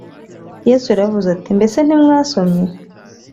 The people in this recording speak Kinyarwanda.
yesu yaravuze ati ‘’ mbese ntimwasomye ?